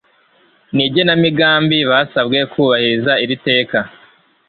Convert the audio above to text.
n igenamigambi basabwe kubahiriza iri teka